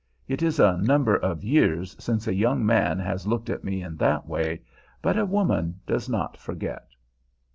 It is a number of years since a young man has looked at me in that way, but a woman does not forget.